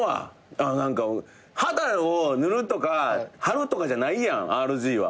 あの何か肌を塗るとか張るとかじゃないやんＲＧは。